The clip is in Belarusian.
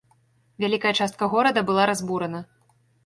Вялікая частка горада была разбурана.